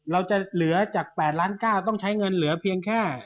เราจะเหลือจาก๘ล้าน๙ต้องใช้เงินเหลือเพียงแค่